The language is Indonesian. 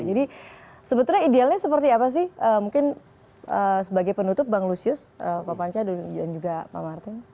jadi sebetulnya idealnya seperti apa sih mungkin sebagai penutup bang lusius pak panca dan juga pak martin